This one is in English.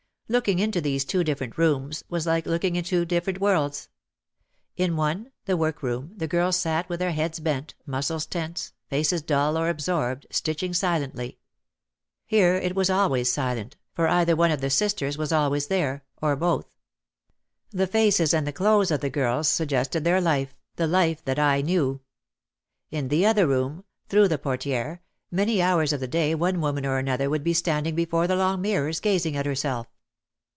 Looking into these two different rooms was like looking into two different worlds. In one, the work room, the girls sat with their heads bent, muscles tense, faces dull or absorbed, stitch ing silently. Here it was always silent, for either one of the sisters was always there, or both. The faces and the clothes of the girls suggested their life, the life that 286 OUT OF THE SHADOW I knew. In the other room, through the portiere, many hours of the day one woman or another would be stand ing before the long mirrors gazing at herself.